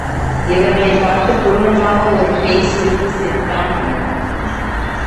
இவர்களைப் பார்த்துக் குரூரமாக ஒரு பேய்ச் சிரிப்புச் சிரித்தான் அவன்.